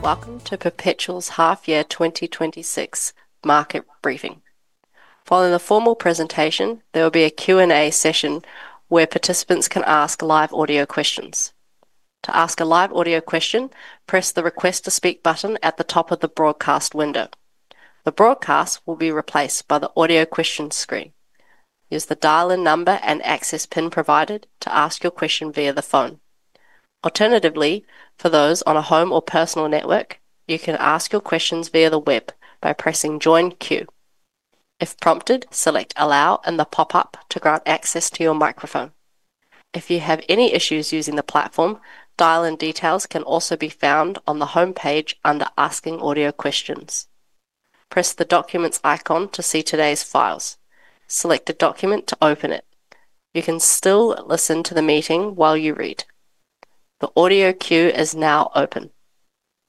Welcome to Perpetual's Half Year 2026 Market Briefing. Following the formal presentation, there will be a Q&A session where participants can ask live audio questions. To ask a live audio question, press the Request to Speak button at the top of the broadcast window. The broadcast will be replaced by the Audio Questions screen. Use the dial-in number and access PIN provided to ask your question via the phone. Alternatively, for those on a home or personal network, you can ask your questions via the web by pressing Join Queue. If prompted, select Allow in the pop-up to grant access to your microphone. If you have any issues using the platform, dial-in details can also be found on the homepage under Asking Audio Questions. Press the Documents icon to see today's files. Select a document to open it. You can still listen to the meeting while you read. The audio queue is now open.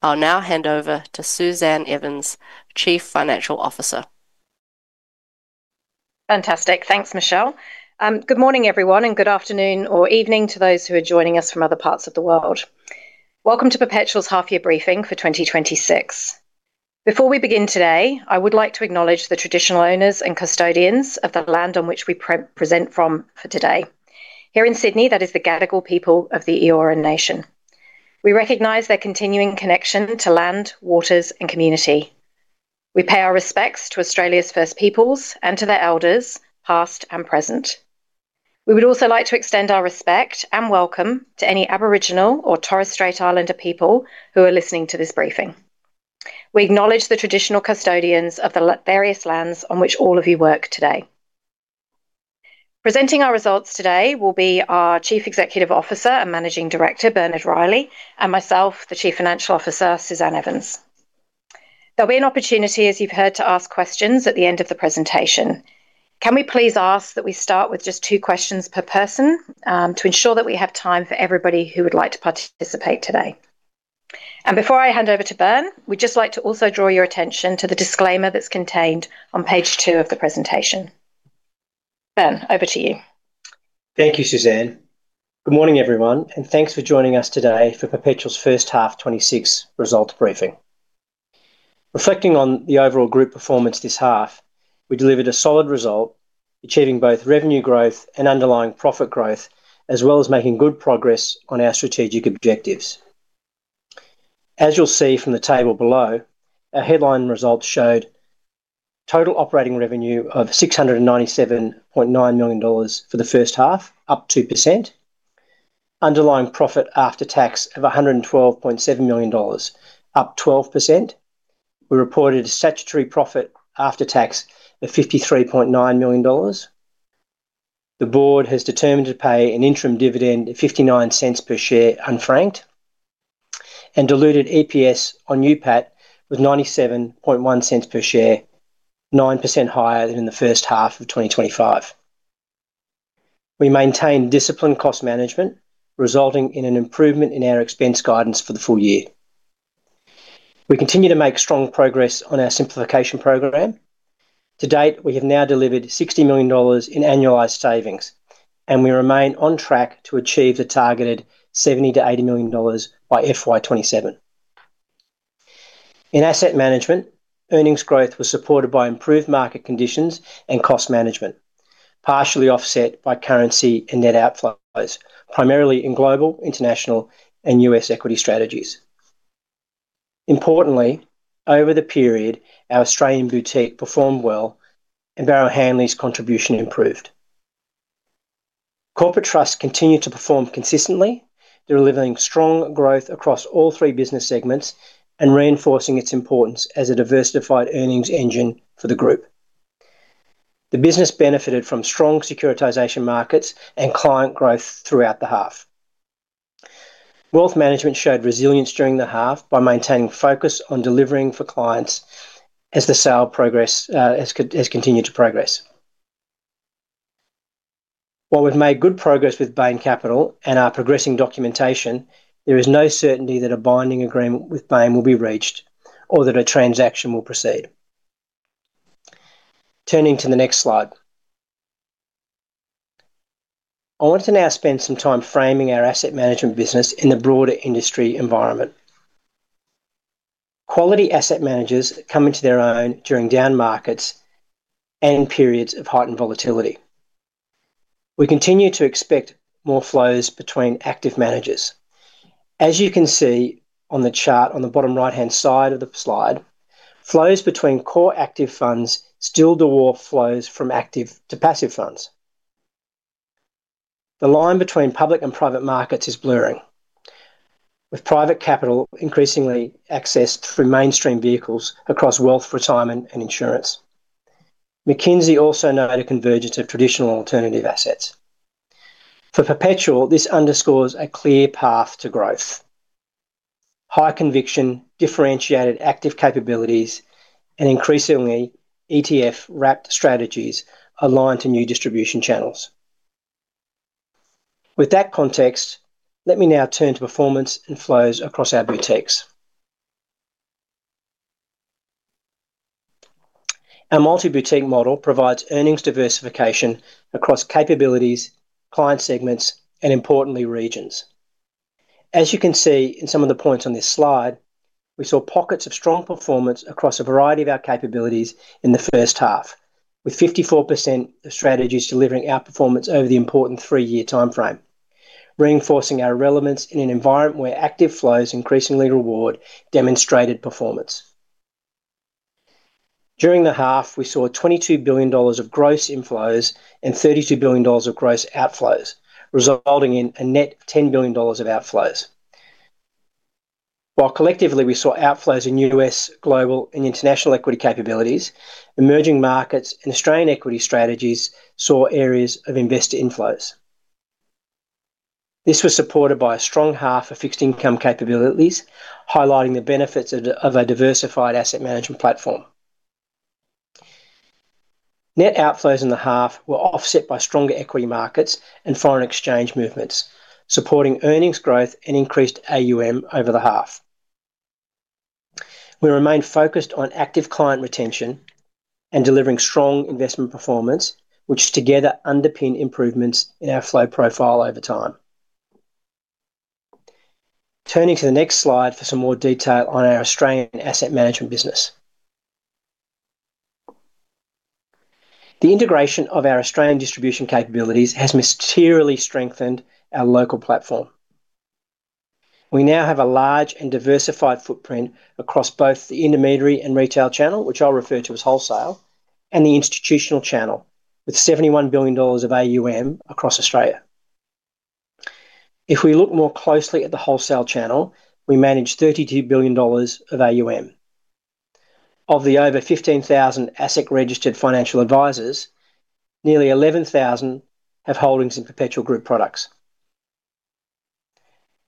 I'll now hand over to Suzanne Evans, Chief Financial Officer. Fantastic. Thanks, Michelle. Good morning, everyone, good afternoon or evening to those who are joining us from other parts of the world. Welcome to Perpetual's Half Year briefing for 2026. Before we begin today, I would like to acknowledge the traditional owners and custodians of the land on which we present from for today. Here in Sydney, that is the Gadigal people of the Eora Nation. We recognize their continuing connection to land, waters, and community. We pay our respects to Australia's First Peoples and to their elders, past and present. We would also like to extend our respect and welcome to any Aboriginal or Torres Strait Islander people who are listening to this briefing. We acknowledge the traditional custodians of the various lands on which all of you work today. Presenting our results today will be our Chief Executive Officer and Managing Director, Bernard Reilly, and myself, the Chief Financial Officer, Suzanne Evans. There'll be an opportunity, as you've heard, to ask questions at the end of the presentation. Can we please ask that we start with just two questions per person to ensure that we have time for everybody who would like to participate today? Before I hand over to Bern, we'd just like to also draw your attention to the disclaimer that's contained on page two of the presentation. Bern, over to you. Thank you, Suzanne. Good morning, everyone, and thanks for joining us today for Perpetual's first half 2026 results briefing. Reflecting on the overall group performance this half, we delivered a solid result, achieving both revenue growth and underlying profit growth, as well as making good progress on our strategic objectives. As you'll see from the table below, our headline results showed total operating revenue of 697.9 million dollars for the first half, up 2%. Underlying profit after tax of 112.7 million dollars, up 12%. We reported a statutory profit after tax of 53.9 million dollars. The board has determined to pay an interim dividend of 0.59 per share, unfranked, and diluted EPS on NPAT was 0.971 per share, 9% higher than in the first half of 2025. We maintained disciplined cost management, resulting in an improvement in our expense guidance for the full year. We continue to make strong progress on our simplification program. To date, we have now delivered 60 million dollars in annualized savings, and we remain on track to achieve the targeted 70 million-80 million dollars by FY 2027. In asset management, earnings growth was supported by improved market conditions and cost management, partially offset by currency and net outflows, primarily in global, international, and U.S. equity strategies. Importantly, over the period, our Australian boutique performed well and Barrow Hanley's contribution improved. Corporate Trust continued to perform consistently, delivering strong growth across all three business segments and reinforcing its importance as a diversified earnings engine for the group. The business benefited from strong securitization markets and client growth throughout the half. Wealth management showed resilience during the half by maintaining focus on delivering for clients as the sale progress has continued to progress. While we've made good progress with Bain Capital and are progressing documentation, there is no certainty that a binding agreement with Bain will be reached or that a transaction will proceed. Turning to the next slide. I want to now spend some time framing our asset management business in the broader industry environment. Quality asset managers come into their own during down markets and periods of heightened volatility. We continue to expect more flows between active managers. As you can see on the chart on the bottom right-hand side of the slide, flows between core active funds still dwarf flows from active to passive funds. The line between public and private markets is blurring, with private capital increasingly accessed through mainstream vehicles across wealth, retirement, and insurance. McKinsey also noted a convergence of traditional alternative assets. For Perpetual, this underscores a clear path to growth, high conviction, differentiated active capabilities, and increasingly, ETF-wrapped strategies aligned to new distribution channels. With that context, let me now turn to performance and flows across our boutiques.... Our multi-boutique model provides earnings diversification across capabilities, client segments, and importantly, regions. As you can see in some of the points on this slide, we saw pockets of strong performance across a variety of our capabilities in the first half, with 54% of strategies delivering outperformance over the important three-year timeframe, reinforcing our relevance in an environment where active flows increasingly reward demonstrated performance. During the half, we saw 22 billion dollars of gross inflows and 32 billion dollars of gross outflows, resulting in a net 10 billion dollars of outflows. While collectively, we saw outflows in U.S., global, and international equity capabilities, emerging markets and Australian equity strategies saw areas of investor inflows. This was supported by a strong half of fixed income capabilities, highlighting the benefits of a diversified asset management platform. Net outflows in the half were offset by stronger equity markets and foreign exchange movements, supporting earnings growth and increased AUM over the half. We remain focused on active client retention and delivering strong investment performance, which together underpin improvements in our flow profile over time. Turning to the next slide for some more detail on our Australian asset management business. The integration of our Australian distribution capabilities has materially strengthened our local platform. We now have a large and diversified footprint across both the intermediary and retail channel, which I'll refer to as wholesale, and the institutional channel, with 71 billion dollars of AUM across Australia. If we look more closely at the wholesale channel, we manage 32 billion dollars of AUM. Of the over 15,000 asset registered financial advisors, nearly 11,000 have holdings in Perpetual Group products.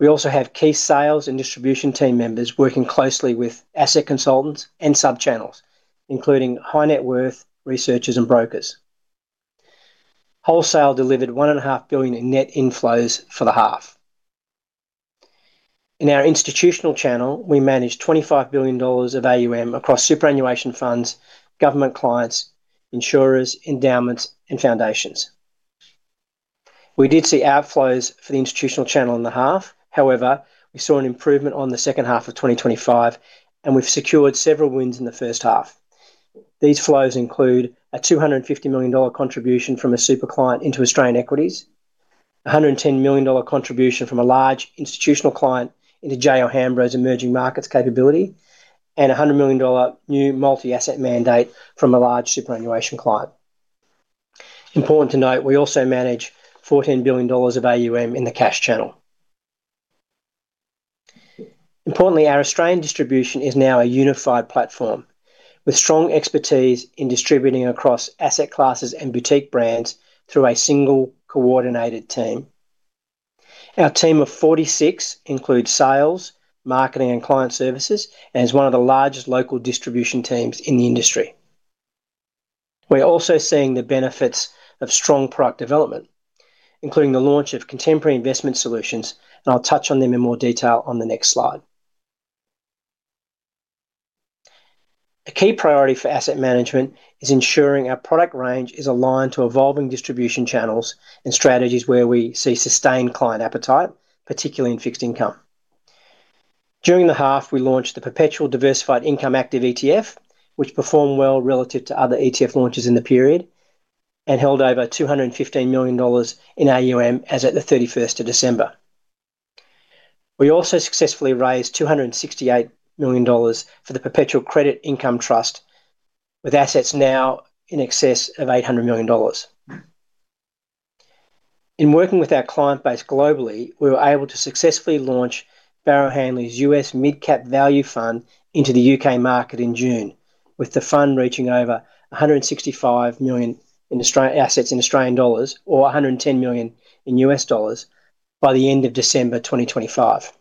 We also have key sales and distribution team members working closely with asset consultants and sub-channels, including high net worth researchers and brokers. Wholesale delivered 1.5 billion in net inflows for the half. In our institutional channel, we managed 25 billion dollars of AUM across superannuation funds, government clients, insurers, endowments, and foundations. We did see outflows for the institutional channel in the half. We saw an improvement on the second half of 2025, and we've secured several wins in the first half. These flows include an 250 million dollar contribution from a super client into Australian equities, an 110 million dollar contribution from a large institutional client into J O Hambro's emerging markets capability, and an 100 million dollar new multi-asset mandate from a large superannuation client. Important to note, we also manage 14 billion dollars of AUM in the cash channel. Importantly, our Australian distribution is now a unified platform, with strong expertise in distributing across asset classes and boutique brands through a single coordinated team. Our team of 46 includes sales, marketing, and client services, and is one of the largest local distribution teams in the industry. We're also seeing the benefits of strong product development, including the launch of contemporary investment solutions, and I'll touch on them in more detail on the next slide. A key priority for asset management is ensuring our product range is aligned to evolving distribution channels and strategies where we see sustained client appetite, particularly in fixed income. During the half, we launched the Perpetual Diversified Income Active ETF, which performed well relative to other ETF launches in the period and held over 215 million dollars in AUM as at the 31st of December. We also successfully raised 268 million dollars for the Perpetual Credit Income Trust, with assets now in excess of 800 million dollars. In working with our client base globally, we were able to successfully launch Barrow Hanley's US Mid Cap Value Equity Fund into the U.K. market in June, with the fund reaching over 165 million in assets in Australian dollars, or $110 million in U.S. dollars by the end of December 2025.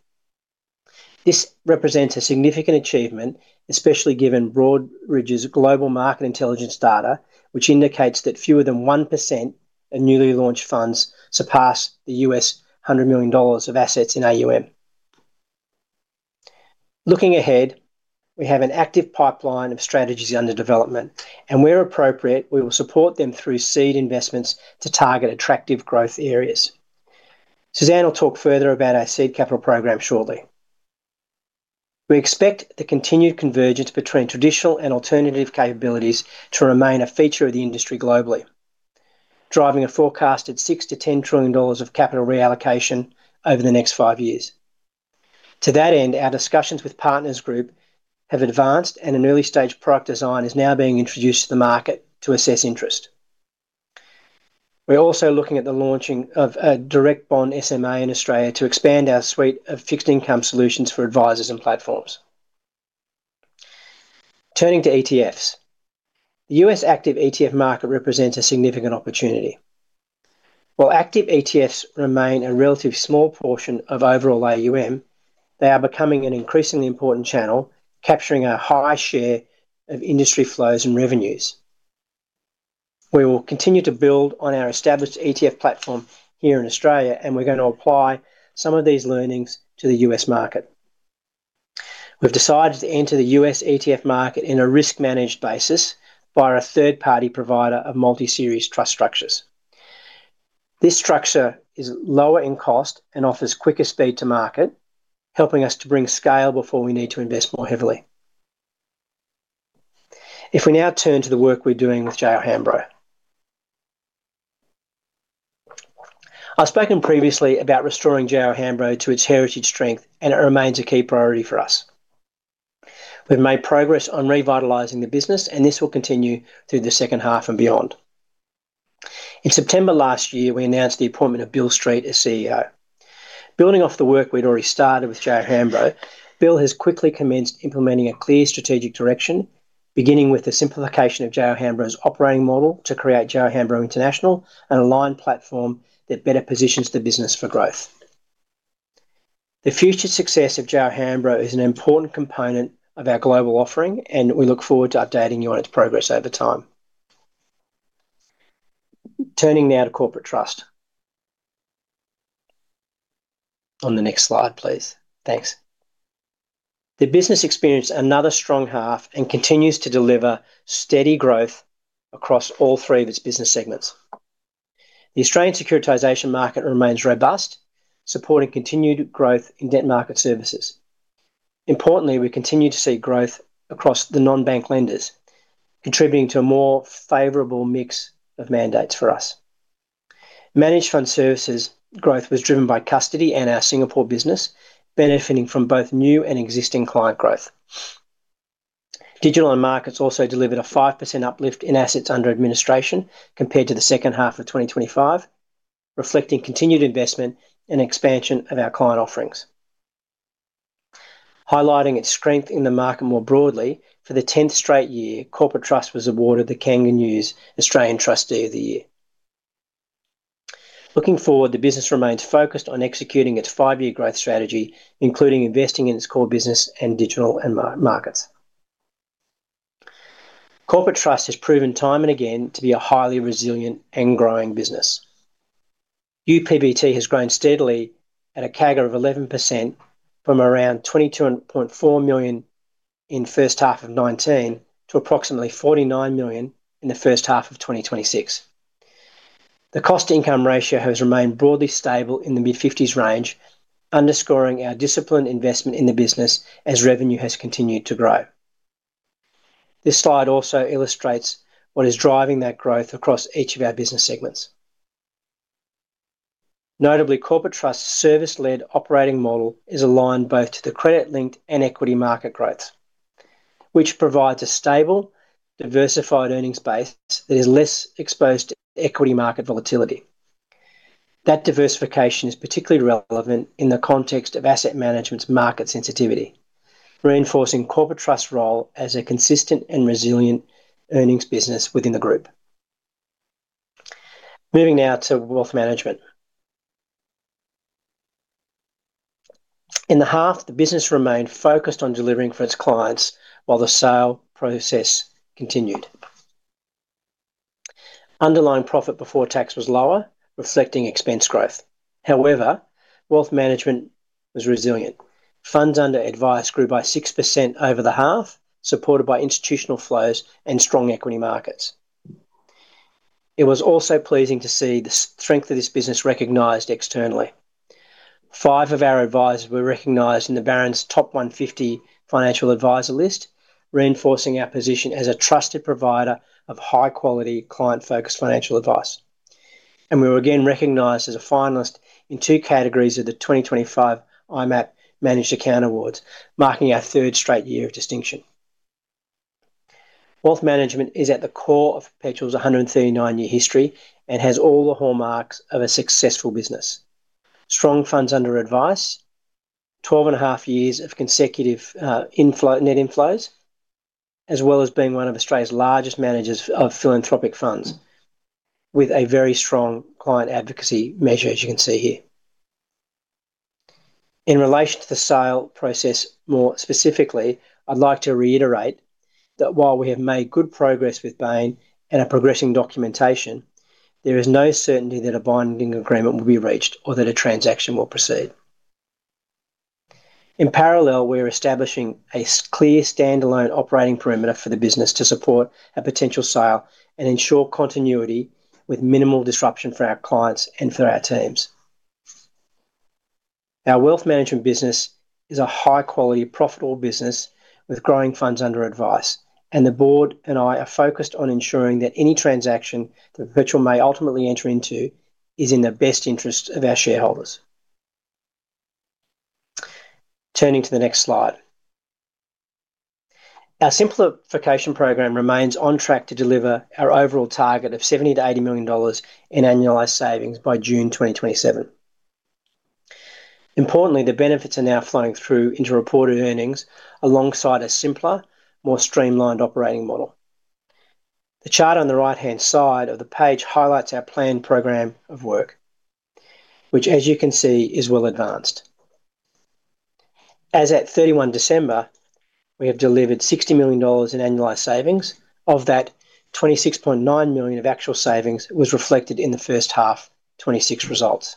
This represents a significant achievement, especially given Broadridge's global market intelligence data, which indicates that fewer than 1% of newly launched funds surpass the U.S. $100 million of assets in AUM. Looking ahead, we have an active pipeline of strategies under development, where appropriate, we will support them through seed investments to target attractive growth areas. Suzanne will talk further about our seed capital program shortly. We expect the continued convergence between traditional and alternative capabilities to remain a feature of the industry globally, driving a forecasted $6 trillion-$10 trillion of capital reallocation over the next 5 years. To that end, our discussions with Partners Group have advanced. An early-stage product design is now being introduced to the market to assess interest. We're also looking at the launching of a direct bond SMA in Australia to expand our suite of fixed income solutions for advisors and platforms. Turning to ETFs. The U.S. active ETF market represents a significant opportunity. While active ETFs remain a relatively small portion of overall AUM, they are becoming an increasingly important channel, capturing a high share of industry flows and revenues. We will continue to build on our established ETF platform here in Australia. We're going to apply some of these learnings to the U.S. market. We've decided to enter the US ETF market in a risk-managed basis by our third-party provider of multi-series trust structures. This structure is lower in cost and offers quicker speed to market, helping us to bring scale before we need to invest more heavily. If we now turn to the work we're doing with J O Hambro. I've spoken previously about restoring J O Hambro to its heritage strength, and it remains a key priority for us. We've made progress on revitalizing the business, and this will continue through the second half and beyond. In September last year, we announced the appointment of Bill Street as CEO. Building off the work we'd already started with J O Hambro, Bill has quickly commenced implementing a clear strategic direction, beginning with the simplification of J O Hambro's operating model to create JOHCM International, an aligned platform that better positions the business for growth. The future success of J O Hambro is an important component of our global offering. We look forward to updating you on its progress over time. Turning now to Corporate Trust. On the next slide, please. Thanks. The business experienced another strong half and continues to deliver steady growth across all three of its business segments. The Australian securitization market remains robust, supporting continued growth in Debt Market Services. Importantly, we continue to see growth across the non-bank lenders, contributing to a more favorable mix of mandates for us. Managed Fund Services growth was driven by custody and our Singapore business, benefiting from both new and existing client growth. Digital and Markets also delivered a 5% uplift in assets under administration compared to the second half of 2025, reflecting continued investment and expansion of our client offerings. Highlighting its strength in the market more broadly, for the 10th straight year, Corporate Trust was awarded the KangaNews Australian Trustee of the Year. Looking forward, the business remains focused on executing its five-year growth strategy, including investing in its core business and Digital and Markets. Corporate Trust has proven time and again to be a highly resilient and growing business. UPBT has grown steadily at a CAGR of 11% from around 22.4 million in first half of 2019 to approximately 49 million in the first half of 2026. The cost-to-income ratio has remained broadly stable in the mid-50s range, underscoring our disciplined investment in the business as revenue has continued to grow. This slide also illustrates what is driving that growth across each of our business segments. Notably, Corporate Trust service-led operating model is aligned both to the credit-linked and equity market growth, which provides a stable, diversified earnings base that is less exposed to equity market volatility. That diversification is particularly relevant in the context of asset management's market sensitivity, reinforcing Corporate Trust's role as a consistent and resilient earnings business within the group. Moving now to Wealth Management. In the half, the business remained focused on delivering for its clients while the sale process continued. Underlying Profit Before Tax was lower, reflecting expense growth. However, wealth management was resilient. Funds under advice grew by 6% over the half, supported by institutional flows and strong equity markets. It was also pleasing to see the strength of this business recognized externally. Five of our advisors were recognized in the Barron's Top 150 Financial Advisers list, reinforcing our position as a trusted provider of high-quality, client-focused financial advice. We were again recognized as a finalist in 2 categories of the 2025 IMAP Managed Account Awards, marking our third straight year of distinction. Wealth management is at the core of Perpetual's 139-year history and has all the hallmarks of a successful business. Strong funds under advice, 12 and a half years of consecutive inflow, net inflows, as well as being one of Australia's largest managers of philanthropic funds, with a very strong client advocacy measure, as you can see here. In relation to the sale process, more specifically, I'd like to reiterate that while we have made good progress with Bain and are progressing documentation, there is no certainty that a binding agreement will be reached or that a transaction will proceed. In parallel, we're establishing a clear, standalone operating perimeter for the business to support a potential sale and ensure continuity with minimal disruption for our clients and for our teams. Our wealth management business is a high-quality, profitable business with growing funds under advice, and the board and I are focused on ensuring that any transaction that Perpetual may ultimately enter into is in the best interest of our shareholders. Turning to the next slide. Our simplification program remains on track to deliver our overall target of 70 million-80 million dollars in annualized savings by June 2027. Importantly, the benefits are now flowing through into reported earnings alongside a simpler, more streamlined operating model. The chart on the right-hand side of the page highlights our planned program of work, which, as you can see, is well advanced. As at 31 December, we have delivered 60 million dollars in annualized savings. Of that, 26.9 million of actual savings was reflected in the first half 2026 results.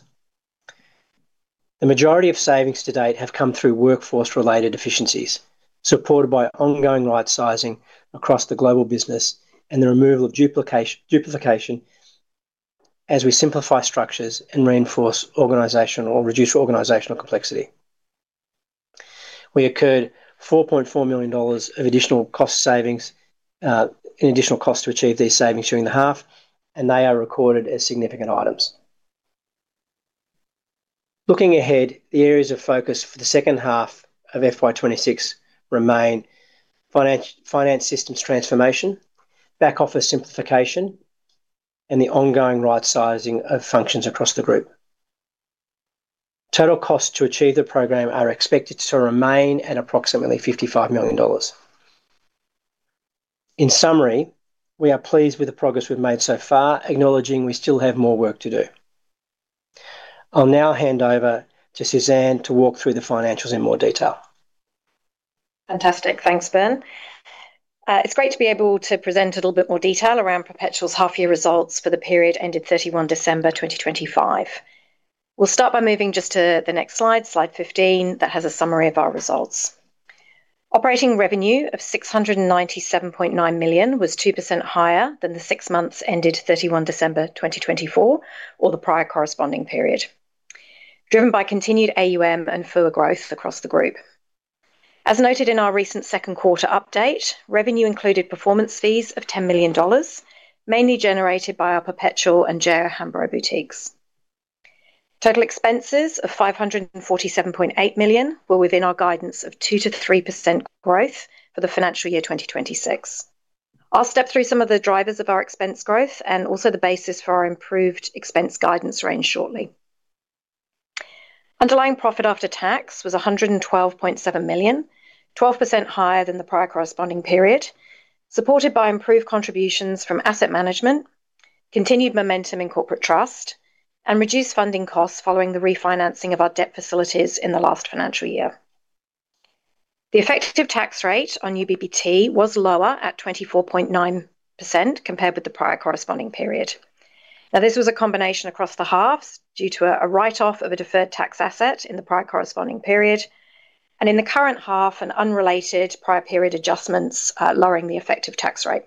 The majority of savings to date have come through workforce-related efficiencies, supported by ongoing rightsizing across the global business and the removal of duplication as we simplify structures and reduce organizational complexity. We incurred 4.4 million dollars of additional costs to achieve these savings during the half, and they are recorded as significant items. Looking ahead, the areas of focus for the second half of FY26 remain finance systems transformation, back office simplification, and the ongoing rightsizing of functions across the Group. Total costs to achieve the program are expected to remain at approximately 55 million dollars. In summary, we are pleased with the progress we've made so far, acknowledging we still have more work to do. I'll now hand over to Suzanne to walk through the financials in more detail. Fantastic. Thanks, Bern. It's great to be able to present a little bit more detail around Perpetual's half-year results for the period ended 31 December 2025. We'll start by moving just to the next slide 15, that has a summary of our results. Operating revenue of 697.9 million was 2% higher than the 6 months ended 31 December 2024, or the prior corresponding period, driven by continued AUM and FUA growth across the group. As noted in our recent second quarter update, revenue included performance fees of 10 million dollars, mainly generated by our Perpetual and J O Hambro boutiques. Total expenses of 547.8 million were within our guidance of 2%-3% growth for the financial year 2026. I'll step through some of the drivers of our expense growth and also the basis for our improved expense guidance range shortly. Underlying profit after tax was 112.7 million, 12% higher than the prior corresponding period, supported by improved contributions from asset management, continued momentum in Corporate Trust, and reduced funding costs following the refinancing of our debt facilities in the last financial year. The effective tax rate on UPBT was lower at 24.9% compared with the prior corresponding period. This was a combination across the halves due to a write-off of a deferred tax asset in the prior corresponding period, and in the current half, an unrelated prior period adjustments, lowering the effective tax rate.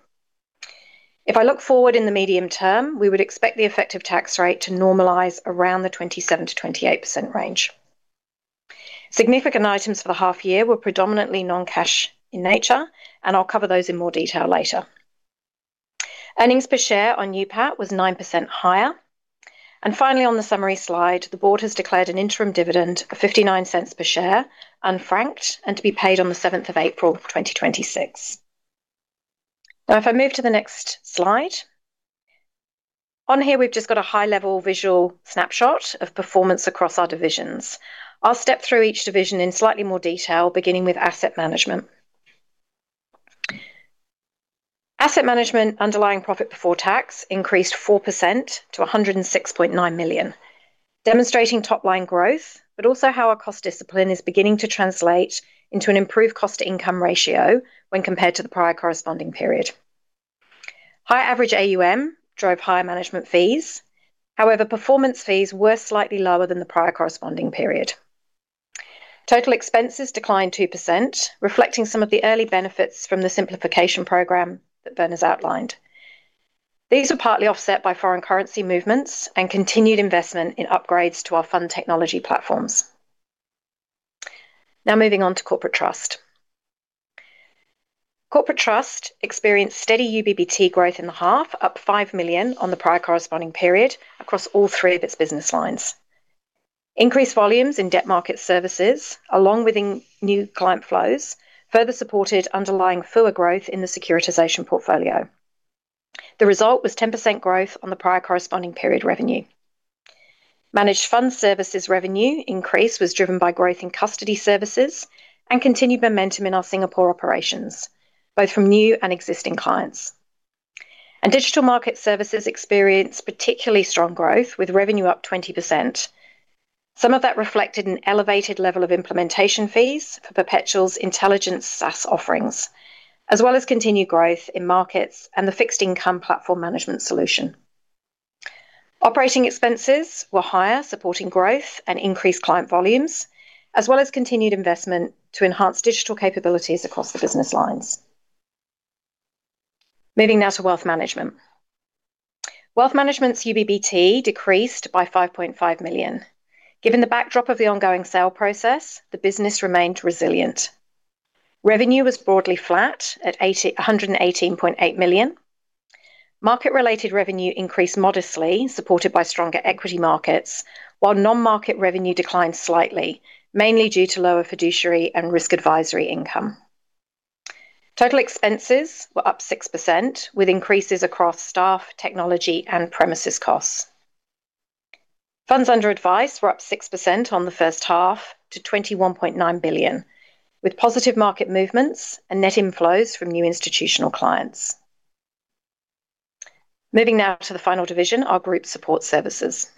If I look forward in the medium term, we would expect the effective tax rate to normalize around the 27%-28% range. Significant items for the half year were predominantly non-cash in nature, and I'll cover those in more detail later. Earnings per share on UPAT was 9% higher. Finally, on the summary slide, the board has declared an interim dividend of 0.59 per share, unfranked, and to be paid on the 7th of April, 2026. If I move to the next slide. Here, we've just got a high-level visual snapshot of performance across our divisions. I'll step through each division in slightly more detail, beginning with asset management. Asset Management Underlying Profit Before Tax increased 4% to 106.9 million, demonstrating top-line growth, but also how our cost discipline is beginning to translate into an improved cost-to-income ratio when compared to the prior corresponding period. Higher average AUM drove higher management fees. Performance fees were slightly lower than the prior corresponding period. Total expenses declined 2%, reflecting some of the early benefits from the simplification program that Bern has outlined. These were partly offset by foreign currency movements and continued investment in upgrades to our fund technology platforms. Moving on to Corporate Trust. Corporate Trust experienced steady UPBT growth in the half, up 5 million on the prior corresponding period across all three of its business lines. Increased volumes in Debt Market Services, along with new client flows, further supported underlying FUA growth in the securitization portfolio. The result was 10% growth on the prior corresponding period revenue. Managed Fund Services revenue increase was driven by growth in custody services and continued momentum in our Singapore operations, both from new and existing clients. Digital Market Services experienced particularly strong growth, with revenue up 20%. Some of that reflected an elevated level of implementation fees for Perpetual Intelligence SaaS offerings, as well as continued growth in markets and the fixed income platform management solution. Operating expenses were higher, supporting growth and increased client volumes, as well as continued investment to enhance digital capabilities across the business lines. Moving now to Wealth Management. Wealth Management's UPBT decreased by 5.5 million. Given the backdrop of the ongoing sale process, the business remained resilient. Revenue was broadly flat at 118.8 million. Market-related revenue increased modestly, supported by stronger equity markets, while non-market revenue declined slightly, mainly due to lower fiduciary and risk advisory income. Total expenses were up 6%, with increases across staff, technology, and premises costs. Funds under advice were up 6% on the first half to 21.9 billion, with positive market movements and net inflows from new institutional clients. Moving now to the final division, our group support services.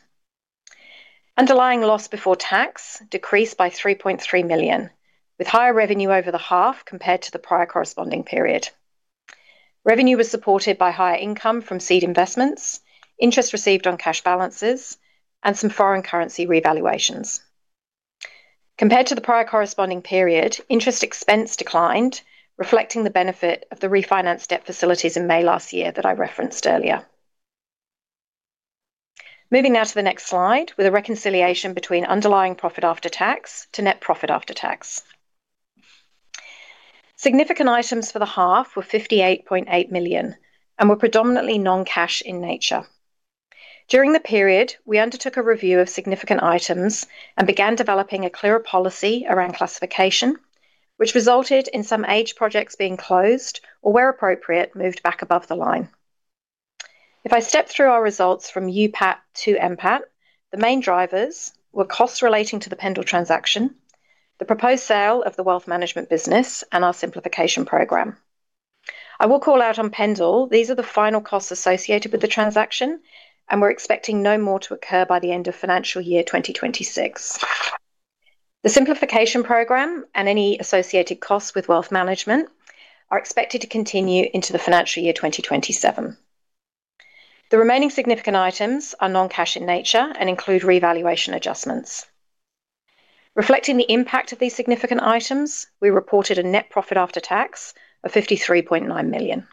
Underlying Loss Before Tax decreased by 3.3 million, with higher revenue over the half compared to the prior corresponding period. Revenue was supported by higher income from seed investments, interest received on cash balances, and some foreign currency revaluations. Compared to the prior corresponding period, interest expense declined, reflecting the benefit of the refinance debt facilities in May last year that I referenced earlier. Moving now to the next slide, with a reconciliation between underlying profit after tax to net profit after tax. Significant items for the half were 58.8 million and were predominantly non-cash in nature. During the period, we undertook a review of significant items and began developing a clearer policy around classification, which resulted in some age projects being closed or, where appropriate, moved back above the line. I step through our results from UPAT to NPAT, the main drivers were costs relating to the Pendal transaction, the proposed sale of the wealth management business, and our simplification program. I will call out on Pendal. These are the final costs associated with the transaction, and we're expecting no more to occur by the end of financial year 2026. The simplification program and any associated costs with wealth management are expected to continue into the financial year 2027. The remaining significant items are non-cash in nature and include revaluation adjustments. Reflecting the impact of these significant items, we reported a net profit after tax of 53.9 million.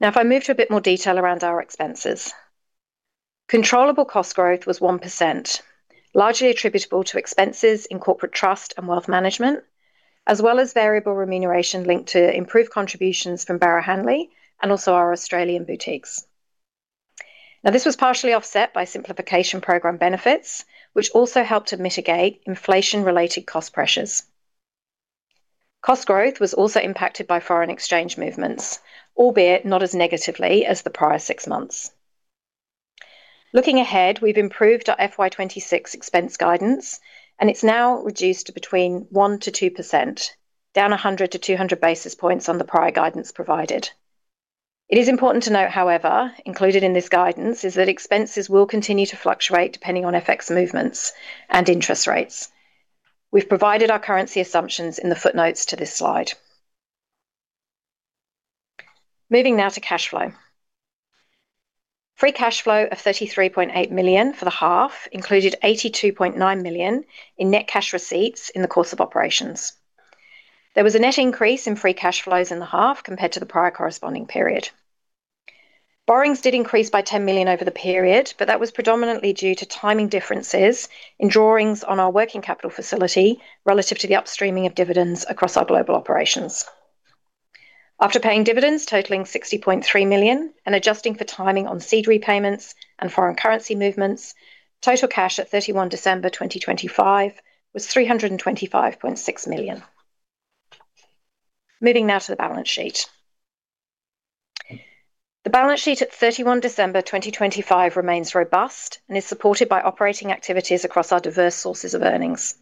If I move to a bit more detail around our expenses. Controllable cost growth was 1%, largely attributable to expenses in Corporate Trust and wealth management, as well as variable remuneration linked to improved contributions from Barrow Hanley and also our Australian boutiques. This was partially offset by simplification program benefits, which also helped to mitigate inflation-related cost pressures. Cost growth was also impacted by foreign exchange movements, albeit not as negatively as the prior 6 months. Looking ahead, we've improved our FY 2026 expense guidance. It's now reduced to between 1%-2%, down 100 to 200 basis points on the prior guidance provided. It is important to note, however, included in this guidance is that expenses will continue to fluctuate depending on FX movements and interest rates. We've provided our currency assumptions in the footnotes to this slide. Moving now to cash flow. Free cash flow of 33.8 million for the half included 82.9 million in net cash receipts in the course of operations. There was a net increase in free cash flows in the half compared to the prior corresponding period. Borrowings did increase by 10 million over the period. That was predominantly due to timing differences in drawings on our working capital facility relative to the upstreaming of dividends across our global operations. After paying dividends totaling 60.3 million and adjusting for timing on seed repayments and foreign currency movements, total cash at 31 December 2025 was 325.6 million. Moving now to the balance sheet. The balance sheet at 31 December 2025 remains robust and is supported by operating activities across our diverse sources of earnings.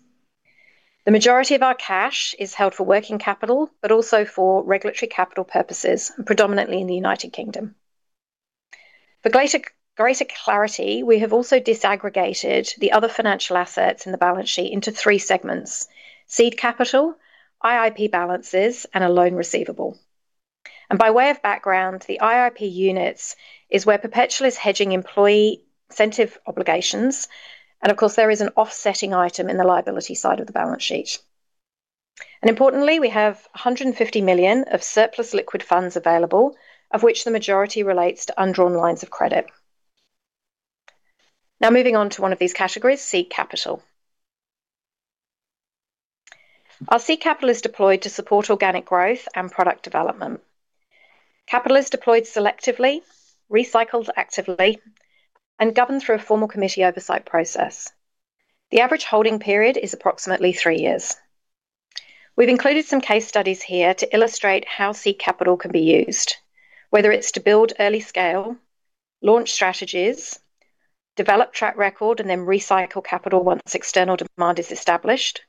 The majority of our cash is held for working capital, but also for regulatory capital purposes, and predominantly in the United Kingdom. For greater clarity, we have also disaggregated the other financial assets in the balance sheet into three segments: seed capital, IIP balances, and a loan receivable. By way of background, the IIP units is where Perpetual is hedging employee incentive obligations, and of course, there is an offsetting item in the liability side of the balance sheet. Importantly, we have 150 million of surplus liquid funds available, of which the majority relates to undrawn lines of credit. Moving on to one of these categories, seed capital. Our seed capital is deployed to support organic growth and product development. Capital is deployed selectively, recycled actively, and governed through a formal committee oversight process. The average holding period is approximately three years. We've included some case studies here to illustrate how seed capital can be used, whether it's to build early scale, launch strategies, develop track record, and then recycle capital once external demand is established,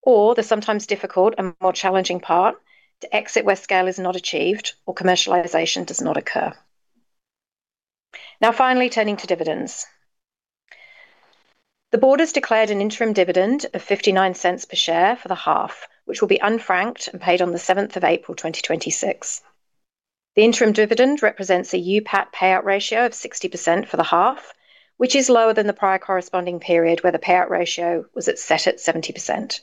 or the sometimes difficult and more challenging part, to exit where scale is not achieved or commercialization does not occur. Finally, turning to dividends. The board has declared an interim dividend of 0.59 per share for the half, which will be unfranked and paid on the seventh of April 2026. The interim dividend represents a UPAT payout ratio of 60% for the half, which is lower than the prior corresponding period, where the payout ratio was set at 70%.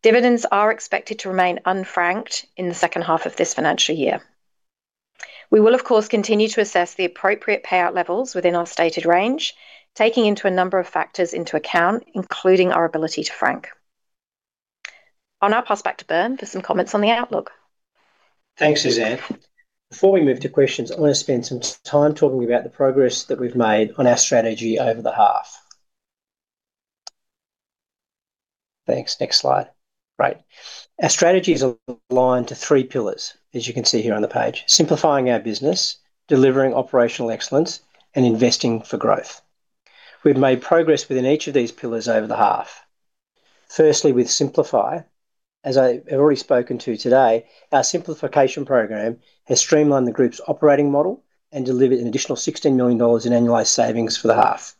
Dividends are expected to remain unfranked in the second half of this financial year. We will, of course, continue to assess the appropriate payout levels within our stated range, taking into a number of factors into account, including our ability to frank. I'll now pass back to Bern for some comments on the outlook. Thanks, Suzanne. Before we move to questions, I want to spend some time talking about the progress that we've made on our strategy over the half. Thanks. Next slide. Great! Our strategy is aligned to three pillars, as you can see here on the page: Simplifying our business, Delivering Operational Excellence, and Investing for Growth. We've made progress within each of these pillars over the half. Firstly, with Simplify, as I have already spoken to today, our simplification program has streamlined the group's operating model and delivered an additional 16 million dollars in annualized savings for the half.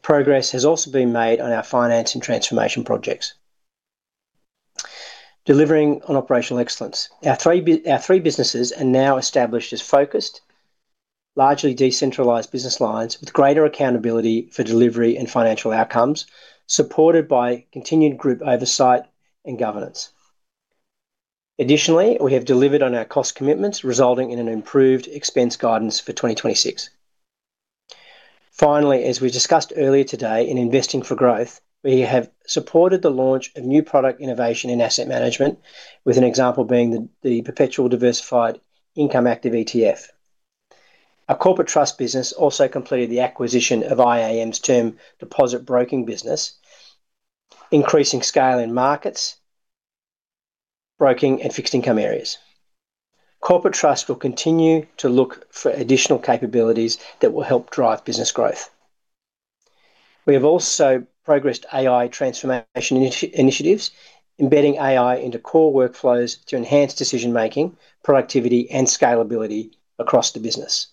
Progress has also been made on our finance and transformation projects. Delivering on Operational Excellence. Our three businesses are now established as focused, largely decentralized business lines, with greater accountability for delivery and financial outcomes, supported by continued group oversight and governance. Additionally, we have delivered on our cost commitments, resulting in an improved expense guidance for 2026. Finally, as we discussed earlier today in investing for growth, we have supported the launch of new product innovation in asset management, with an example being the Perpetual Diversified Income Active ETF. Our Corporate Trust business also completed the acquisition of IAM's term deposit broking business, increasing scale in markets, broking and fixed income areas. Corporate Trust will continue to look for additional capabilities that will help drive business growth. We have also progressed AI transformation initiatives, embedding AI into core workflows to enhance decision-making, productivity, and scalability across the business.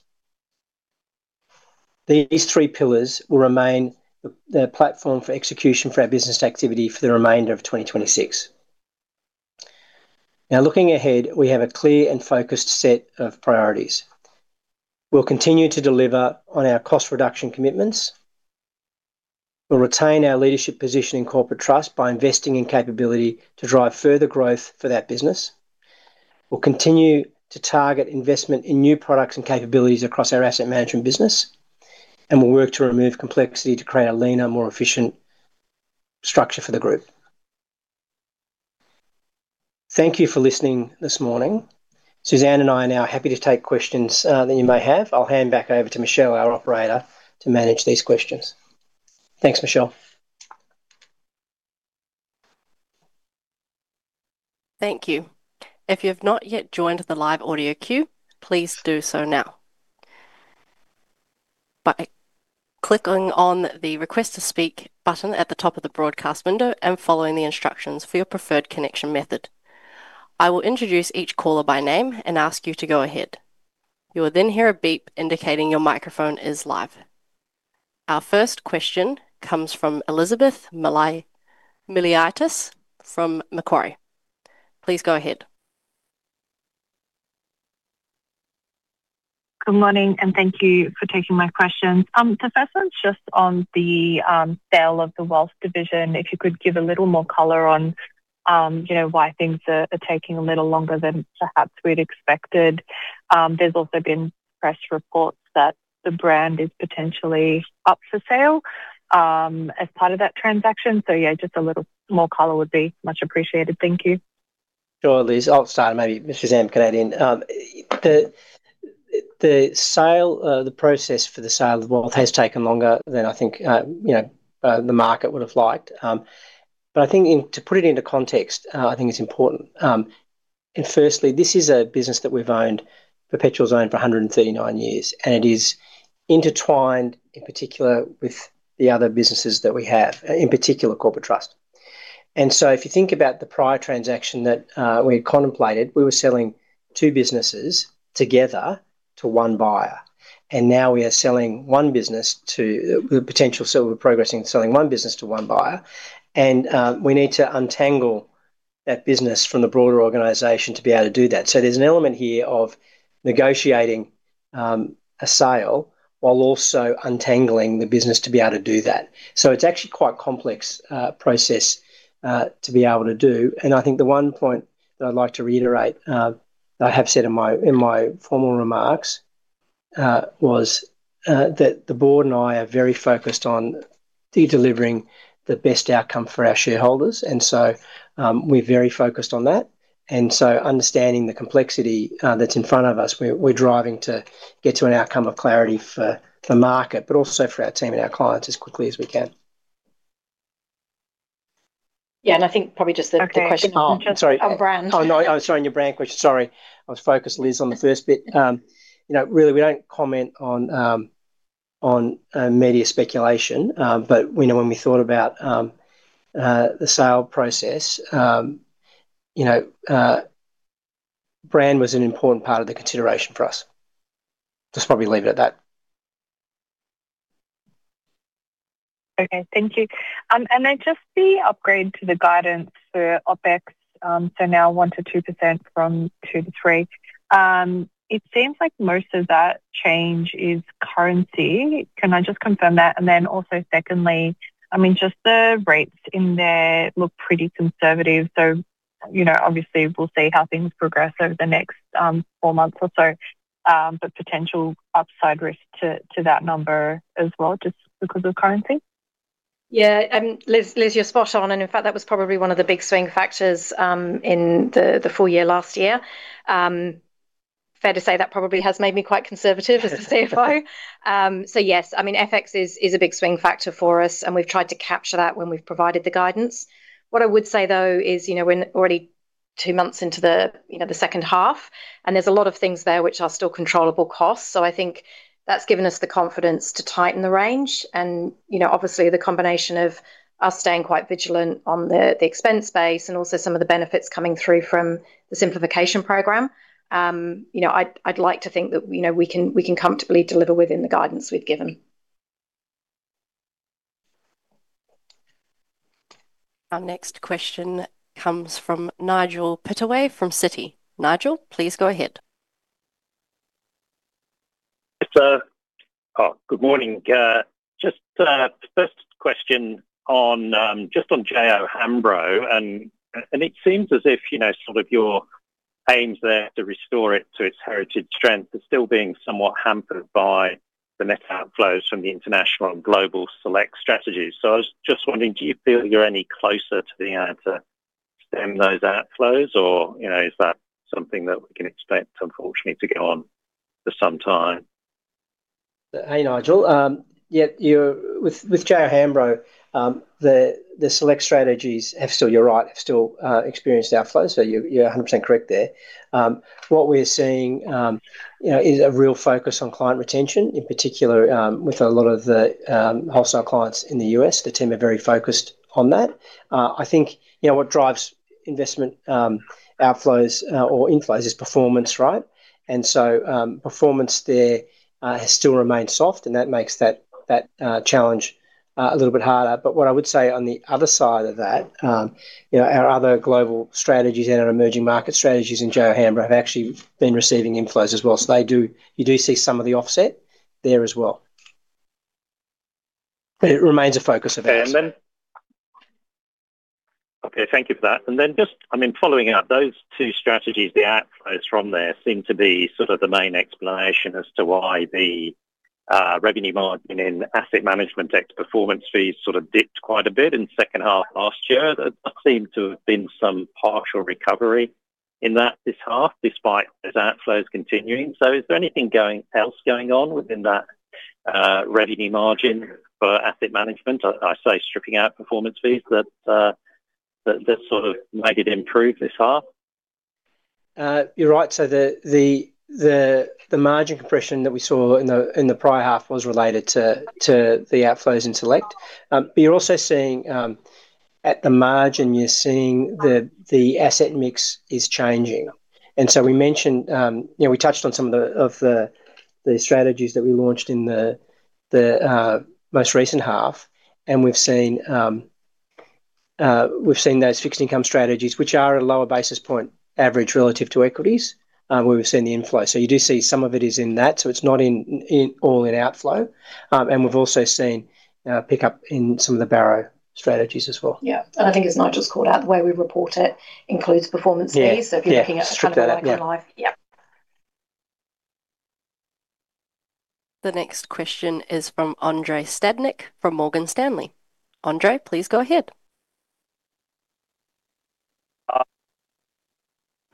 These three pillars will remain the platform for execution for our business activity for the remainder of 2026. Now, looking ahead, we have a clear and focused set of priorities. We'll continue to deliver on our cost reduction commitments. We'll retain our leadership position in Corporate Trust by investing in capability to drive further growth for that business. We'll continue to target investment in new products and capabilities across our asset management business, and we'll work to remove complexity to create a leaner, more efficient structure for the group. Thank you for listening this morning. Suzanne and I are now happy to take questions, that you may have. I'll hand back over to Michelle, our operator, to manage these questions. Thanks, Michelle. Thank you. If you have not yet joined the live audio queue, please do so now by clicking on the Request to Speak button at the top of the broadcast window and following the instructions for your preferred connection method. I will introduce each caller by name and ask you to go ahead. You will then hear a beep indicating your microphone is live. Our first question comes from Elizabeth Miliatis from Macquarie. Please go ahead. Good morning. Thank you for taking my questions. First, just on the sale of the Wealth Division, if you could give a little more color on, you know, why things are taking a little longer than perhaps we'd expected. There's also been press reports that the brand is potentially up for sale, as part of that transaction. Yeah, just a little more color would be much appreciated. Thank you. Sure, Liz. I'll start, and maybe Suzanne can add in. The sale, the process for the sale of wealth has taken longer than I think, you know, the market would have liked. But I think, to put it into context, I think it's important. Firstly, this is a business that we've owned, Perpetual's owned for 139 years, and it is intertwined, in particular, with the other businesses that we have, in particular, Corporate Trust. So if you think about the prior transaction that we contemplated, we were selling two businesses together to one buyer, and now we are selling one business to... the potential sale, we're progressing selling one business to one buyer. We need to untangle that business from the broader organization to be able to do that. There's an element here of negotiating a sale, while also untangling the business to be able to do that. It's actually quite complex process to be able to do. I think the one point that I'd like to reiterate that I have said in my formal remarks was that the board and I are very focused on delivering the best outcome for our shareholders, and so we're very focused on that. Understanding the complexity that's in front of us, we're driving to get to an outcome of clarity for market, but also for our team and our clients as quickly as we can. Yeah, I think probably just the question. Okay. Oh, sorry. On brand. No, sorry, on your brand question. Sorry, I was focused, Liz, on the first bit. You know, really, we don't comment on media speculation. We know when we thought about the sale process, you know, brand was an important part of the consideration for us. Just probably leave it at that. Okay, thank you. Just the upgrade to the guidance for OpEx, so now 1%-2% from 2%-3%. It seems like most of that change is currency. Can I just confirm that? Also, secondly, I mean, just the rates in there look pretty conservative. You know, obviously, we'll see how things progress over the next 4 months or so, but potential upside risk to that number as well, just because of currency. Yeah, Liz, you're spot on. In fact, that was probably one of the big swing factors, in the full year last year. Fair to say that probably has made me quite conservative as the CFO. Yes, I mean, FX is a big swing factor for us, and we've tried to capture that when we've provided the guidance. What I would say, though, is, you know, when 2 months into the, you know, the second half, and there's a lot of things there which are still controllable costs. I think that's given us the confidence to tighten the range and, you know, obviously, the combination of us staying quite vigilant on the expense base and also some of the benefits coming through from the simplification program. you know, I'd like to think that, you know, we can comfortably deliver within the guidance we've given. Our next question comes from Nigel Pittaway from Citi. Nigel, please go ahead. Yes, sir. Oh, good morning, just the first question on just on J O Hambro, and it seems as if, you know, sort of your aims there to restore it to its heritage strength are still being somewhat hampered by the net outflows from the international and global select strategies. I was just wondering, do you feel you're any closer to being able to stem those outflows, or, you know, is that something that we can expect, unfortunately, to go on for some time? Hey, Nigel. Yeah, with J O Hambro, the select strategies have still, you're right, have still experienced outflows. You're 100% correct there. What we're seeing, you know, is a real focus on client retention, in particular, with a lot of the wholesale clients in the US, the team are very focused on that. I think, you know, what drives investment outflows or inflows is performance, right? Performance there has still remained soft, that makes that challenge a little bit harder. What I would say on the other side of that, you know, our other global strategies and our emerging market strategies in J O Hambro have actually been receiving inflows as well. You do see some of the offset there as well. It remains a focus of ours. Okay, thank you for that. Just, I mean, following out those two strategies, the outflows from there seem to be sort of the main explanation as to why the revenue margin in asset management, ex performance fees sort of dipped quite a bit in second half last year. There does seem to have been some partial recovery in that, this half, despite those outflows continuing. Is there anything else going on within that revenue margin for asset management, I say stripping out performance fees that sort of made it improve this half? You're right, the margin compression that we saw in the prior half was related to the outflows in select. You're also seeing, at the margin, you're seeing the asset mix is changing. We mentioned, you know, we touched on some of the strategies that we launched in the most recent half, and we've seen those fixed income strategies, which are at a lower basis point average relative to equities, where we've seen the inflow. You do see some of it is in that, so it's not in all in outflow. And we've also seen pick up in some of the Barrow strategies as well. Yeah, I think as Nigel's called out, the way we report it includes performance fees. Yeah. if you're looking Strip that out, yeah. Yeah. The next question is from Andrei Stadnik from Morgan Stanley. Andrei, please go ahead.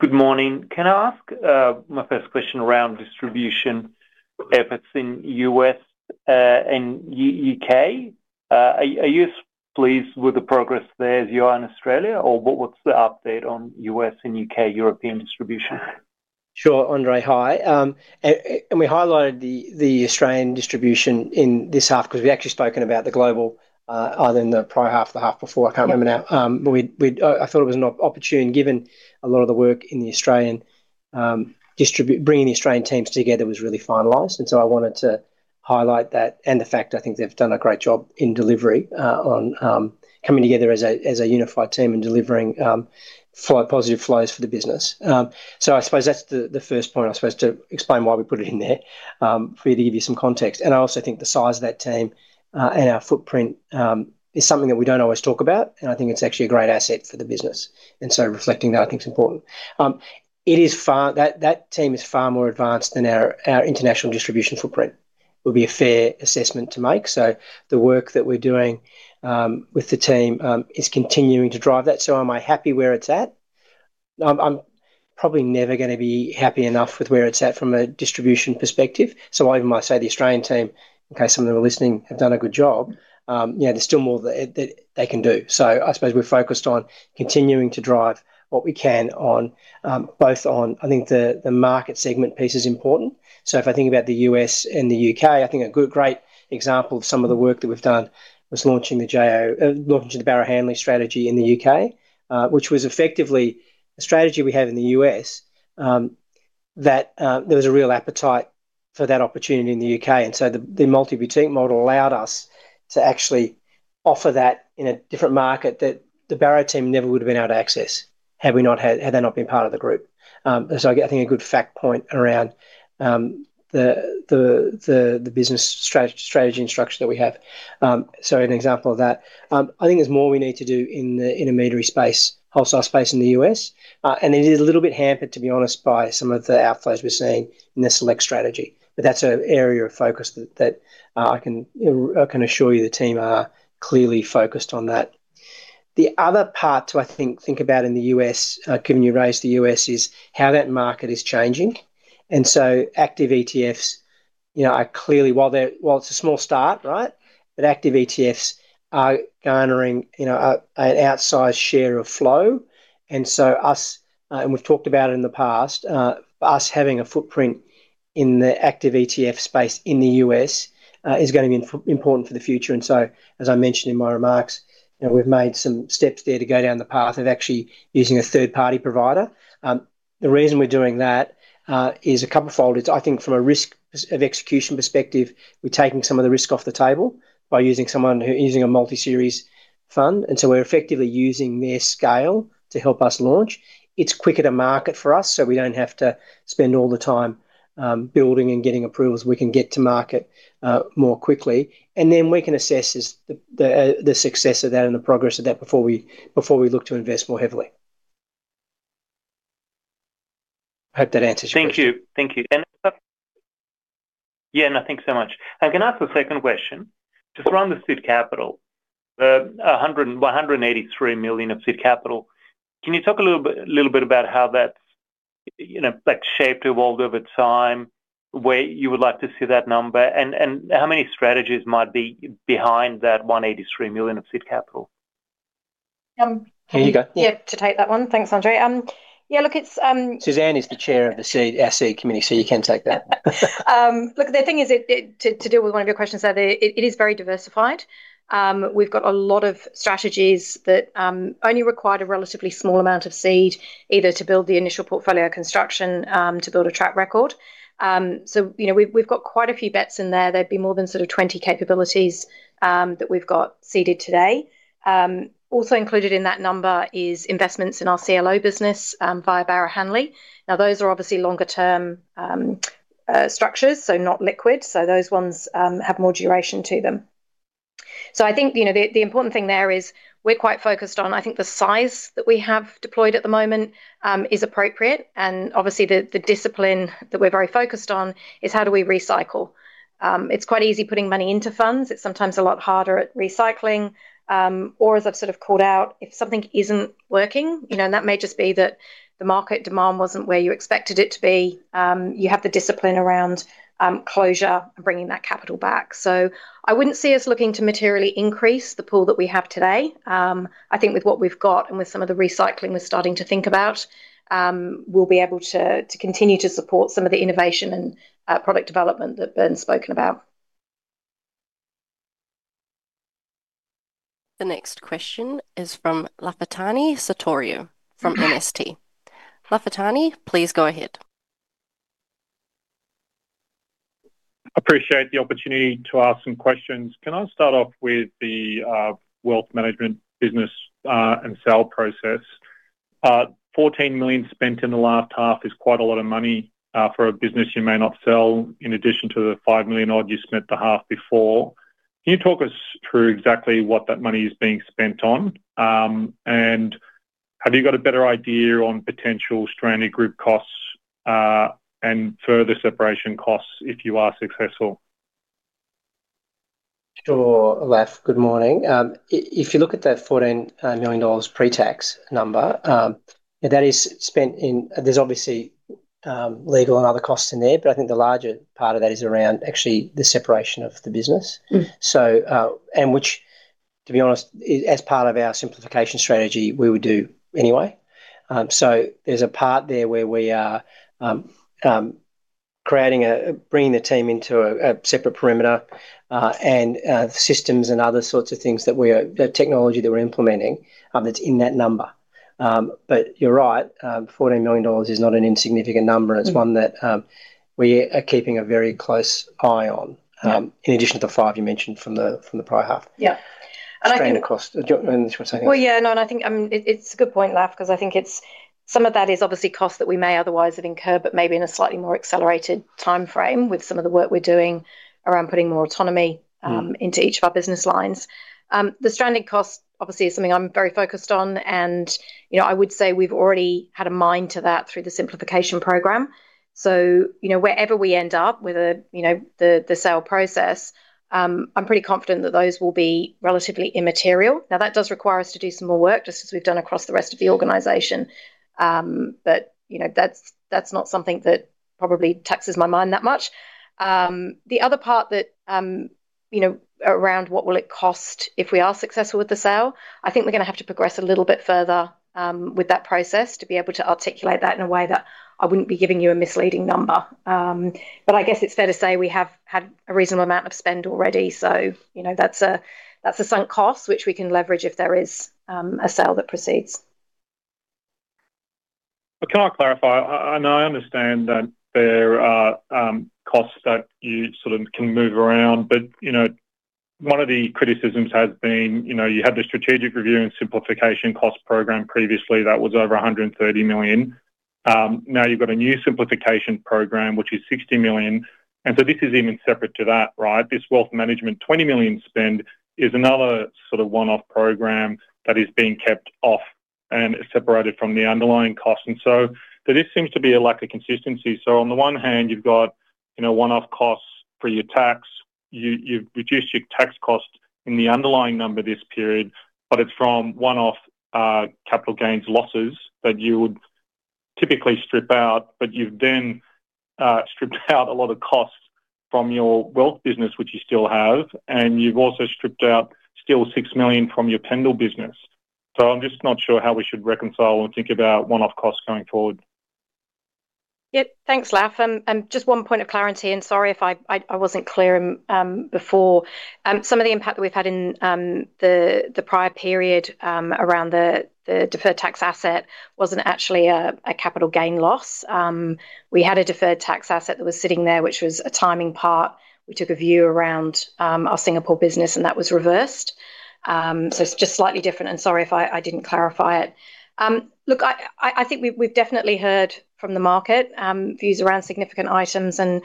Good morning. Can I ask my first question around distribution efforts in U.S., and U.K.? Are you pleased with the progress there as you are in Australia, or what's the update on U.S. and U.K., European distribution? Sure, Andrei, hi. And we highlighted the Australian distribution in this half because we've actually spoken about the global either in the prior half or the half before, I can't remember now. I thought it was an opportune, given a lot of the work in the Australian bringing the Australian teams together was really finalized. I wanted to highlight that and the fact I think they've done a great job in delivery on coming together as a unified team and delivering flow, positive flows for the business. I suppose that's the first point, I suppose, to explain why we put it in there for you, to give you some context. I also think the size of that team and our footprint is something that we don't always talk about, and I think it's actually a great asset for the business. Reflecting that, I think, is important. That team is far more advanced than our international distribution footprint. Would be a fair assessment to make, so the work that we're doing with the team is continuing to drive that. Am I happy where it's at? I'm probably never gonna be happy enough with where it's at from a distribution perspective. I might say the Australian team, in case some of them are listening, have done a good job. Yeah, there's still more that they can do. I suppose we're focused on continuing to drive what we can on both on... I think the market segment piece is important. If I think about the U.S. and the U.K., I think a good, great example of some of the work that we've done was launching the Barrow Hanley strategy in the U.K., which was effectively a strategy we have in the U.S., that there was a real appetite for that opportunity in the U.K. The, the multi-boutique model allowed us to actually offer that in a different market that the Barrow team never would've been able to access had they not been part of the group. I think a good fact point around the business strategy and structure that we have. An example of that, I think there's more we need to do in the intermediary space, wholesale space in the U.S., and it is a little bit hampered, to be honest, by some of the outflows we're seeing in the select strategy, but that's an area of focus that I can assure you the team are clearly focused on that. The other part to, I think, about in the U.S., given you raised the U.S., is how that market is changing. Active ETFs, you know, are clearly, while they're, while it's a small start, right? Active ETFs are garnering, you know, an outsized share of flow. Us, and we've talked about it in the past, us having a footprint in the active ETF space in the U.S., is gonna be important for the future. As I mentioned in my remarks, you know, we've made some steps there to go down the path of actually using a third-party provider. The reason we're doing that is a couplefold. It's I think from a risk of execution perspective, we're taking some of the risk off the table by using someone using a multi-series fund, and so we're effectively using their scale to help us launch. It's quicker to market for us, so we don't have to spend all the time, building and getting approvals. We can get to market, more quickly, and then we can assess the success of that and the progress of that before we look to invest more heavily. I hope that answers your question. Thank you. Thank you. Yeah, no, thanks so much. I can ask a second question. Just around the seed capital, the 183 million of seed capital, can you talk a little bit about how that's, you know, that's shaped evolved over time, where you would like to see that number, and how many strategies might be behind that 183 million of seed capital? Um- Yeah, you go. Yeah, to take that one. Thanks, Andrei. Yeah, look, it's. Suzanne is the chair of our seed committee, so you can take that. Look, the thing is it to deal with one of your questions, that it is very diversified. We've got a lot of strategies that only required a relatively small amount of seed, either to build the initial portfolio construction, to build a track record. You know, we've got quite a few bets in there. There'd be more than sort of 20 capabilities that we've got seeded today. Also included in that number is investments in our CLO business via Barrow Hanley. Those are obviously longer term structures, not liquid, those ones have more duration to them. I think, you know, the important thing there is we're quite focused on... I think the size that we have deployed at the moment is appropriate. Obviously, the discipline that we're very focused on is how do we recycle? It's quite easy putting money into funds. It's sometimes a lot harder at recycling, or as I've sort of called out, if something isn't working, you know, and that may just be that the market demand wasn't where you expected it to be, you have the discipline around closure and bringing that capital back. I wouldn't see us looking to materially increase the pool that we have today. I think with what we've got and with some of the recycling we're starting to think about, we'll be able to continue to support some of the innovation and product development that Ben spoken about. The next question is from Lafitani Sartorio from NST. Lafatani, please go ahead. Appreciate the opportunity to ask some questions. Can I start off with the wealth management business and sale process? 14 million spent in the last half is quite a lot of money for a business you may not sell, in addition to the 5 million odd you spent the half before. Can you talk us through exactly what that money is being spent on? Have you got a better idea on potential stranded group costs and further separation costs if you are successful? Sure, Laf, good morning. If you look at that 14 million dollars pre-tax number, that is spent in. There's obviously, legal and other costs in there, but I think the larger part of that is around actually the separation of the business. Mm. Which, to be honest, as part of our simplification strategy, we would do anyway. There's a part there where we are creating, bringing the team into a separate perimeter, and systems and other sorts of things that we are. The technology that we're implementing, that's in that number. You're right, 14 million dollars is not an insignificant number. Mm... it's one that, we are keeping a very close eye on. Yeah. In addition to the five you mentioned from the, from the prior half. Yeah. Stranded cost. Do you want to say anything? Well, yeah, no, I think, it's a good point, Laf, 'cause I think it's, some of that is obviously cost that we may otherwise have incurred, but maybe in a slightly more accelerated timeframe with some of the work we're doing around putting more autonomy- Mm... into each of our business lines. The stranded cost obviously is something I'm very focused on, and, you know, I would say we've already had a mind to that through the simplification program. You know, wherever we end up with a, you know, the sale process, I'm pretty confident that those will be relatively immaterial. That does require us to do some more work, just as we've done across the rest of the organization. You know, that's not something that probably taxes my mind that much. The other part that, you know, around what will it cost if we are successful with the sale, I think we're gonna have to progress a little bit further, with that process, to be able to articulate that in a way that I wouldn't be giving you a misleading number. I guess it's fair to say we have had a reasonable amount of spend already, so, you know, that's a sunk cost, which we can leverage if there is a sale that proceeds. Can I clarify? I understand that there are costs that you sort of can move around, but, you know, one of the criticisms has been, you know, you had the strategic review and simplification cost program previously, that was over 130 million. Now you've got a new simplification program, which is 60 million, this is even separate to that, right? This wealth management, 20 million spend is another sort of one-off program that is being kept off and separated from the underlying cost. So this seems to be a lack of consistency. On the one hand, you've got, you know, one-off costs for your tax. You've reduced your tax cost in the underlying number this period, but it's from one-off, capital gains losses that you would typically strip out, but you've then, stripped out a lot of costs from your wealth business, which you still have, and you've also stripped out still 6 million from your Pendal business. I'm just not sure how we should reconcile and think about one-off costs going forward. Yep. Thanks, Laf. Just one point of clarity, and sorry if I wasn't clear before. Some of the impact that we've had in the prior period around the deferred tax asset wasn't actually a capital gain loss. We had a deferred tax asset that was sitting there, which was a timing part. We took a view around our Singapore business, and that was reversed. It's just slightly different, and sorry if I didn't clarify it. Look, I think we've definitely heard from the market views around significant items, and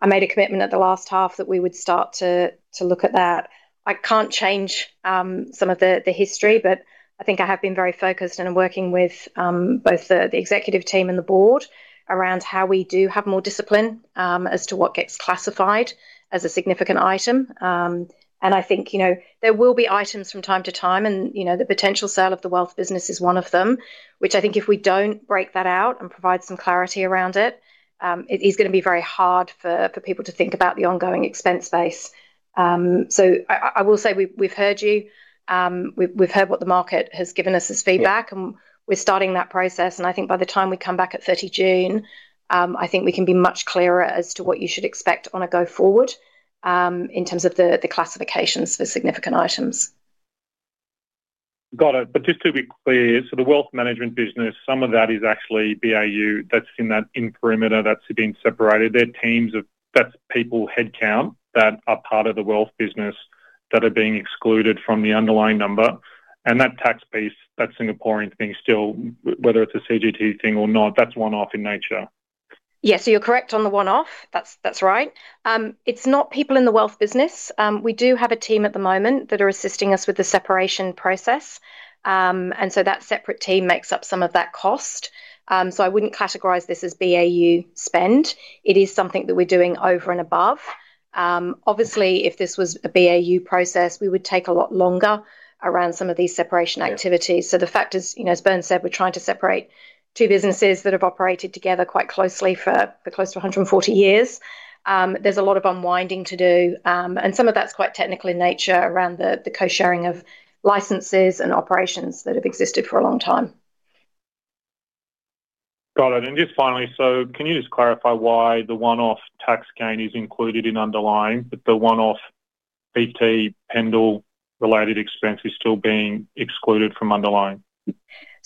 I made a commitment at the last half that we would start to look at that. I can't change, some of the history, but I think I have been very focused and working with, both the executive team and the board around how we do have more discipline, as to what gets classified as a significant item. I think, you know, there will be items from time to time, and, you know, the potential sale of the wealth business is one of them, which I think if we don't break that out and provide some clarity around it is gonna be very hard for people to think about the ongoing expense base. I will say we've heard you. We've heard what the market has given us as feedback. Yeah. We're starting that process, and I think by the time we come back at 30 June, I think we can be much clearer as to what you should expect on a go forward, in terms of the classifications for significant items. Got it. Just to be clear, the wealth management business, some of that is actually BAU that's in that perimeter that's being separated. That's people headcount that are part of the wealth business that are being excluded from the underlying number, that tax base, that Singaporean thing still, whether it's a CGT thing or not, that's one-off in nature. Yeah. You're correct on the one-off. That's right. It's not people in the wealth business. We do have a team at the moment that are assisting us with the separation process. That separate team makes up some of that cost. I wouldn't categorize this as BAU spend. It is something that we're doing over and above. Obviously, if this was a BAU process, we would take a lot longer around some of these separation activities. Yeah. The fact is, you know, as Bern said, we're trying to separate two businesses that have operated together quite closely for close to 140 years. There's a lot of unwinding to do, and some of that's quite technical in nature around the co-sharing of licenses and operations that have existed for a long time. Got it. Just finally, can you just clarify why the one-off tax gain is included in underlying, but the one-off BT Pendal related expense is still being excluded from underlying?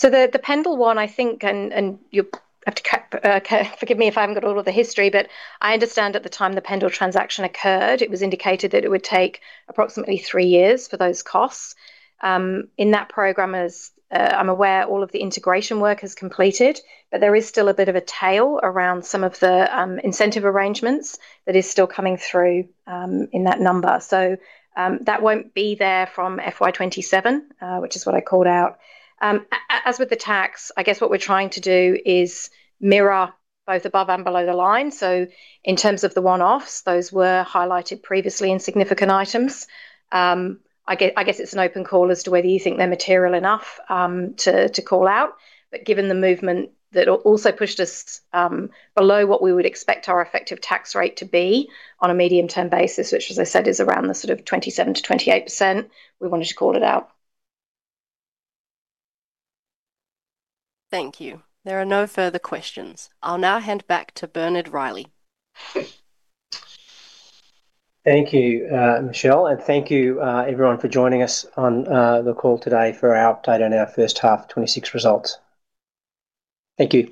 The Pendal one, I think, and you have to forgive me if I haven't got all of the history, but I understand at the time the Pendal transaction occurred, it was indicated that it would take approximately three years for those costs. In that program, as I'm aware, all of the integration work has completed, but there is still a bit of a tail around some of the incentive arrangements that is still coming through in that number. That won't be there from FY 2027, which is what I called out. As with the tax, I guess what we're trying to do is mirror both above and below the line. In terms of the one-offs, those were highlighted previously in significant items. I guess it's an open call as to whether you think they're material enough to call out. Given the movement that also pushed us below what we would expect our effective tax rate to be on a medium-term basis, which, as I said, is around the sort of 27%-28%, we wanted to call it out. Thank you. There are no further questions. I'll now hand back to Bernard Reilly. Thank you, Michelle, and thank you, everyone, for joining us on the call today for our update on our first half of 2026 results. Thank you.